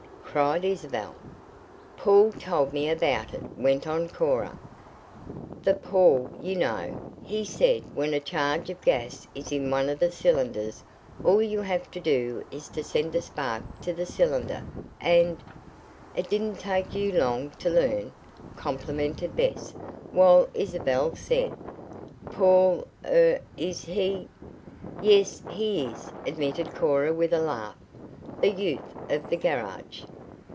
cried Isabel. "Paul told me about it," went on Cora. "The Paul, you know. He said when a charge of gas is in one of the cylinders all you have to do is to send a spark to the cylinder, and " "It didn't take you long to learn," complimented Bess, while Isabel said: "Paul er is he " "Yes, he is," admitted Cora with a laugh. "The youth of the garage."